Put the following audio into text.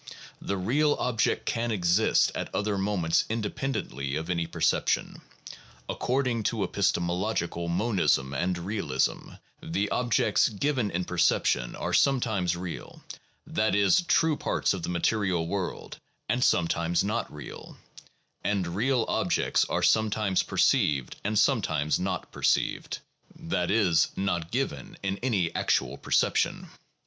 The real object can exist at other moments inde pendently of any perception. According to epistemological monism and realism, the objects given in perception are some times real, that is, true parts of the material world, and some times not real; and real objects are sometimes perceived and sometimes not perceived, that is, not given in any actual per ception.